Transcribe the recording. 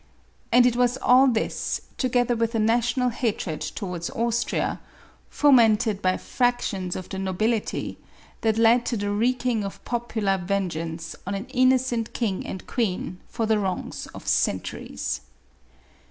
And it was all this, together with a national hatred towards Austria, fomented by factions of the no bility, that led to the wreaking of popular vengeance on an innocent king and queen, for the wrongs of centuries.